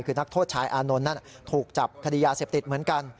คือนักโทษชายอานนท์นั้นถูกจับคดียาเสพติดเหมือนกัน